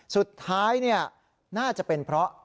สุดท้ายน่าจะเป็นเพราะ